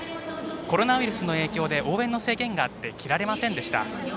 コロナウイルスの影響で応援の制限があって着られませんでした。